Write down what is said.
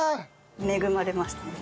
恵まれましたね。